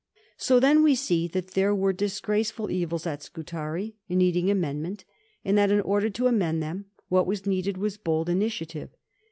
So, then, we see that there were disgraceful evils at Scutari needing amendment, and that in order to amend them what was needed was bold initiative.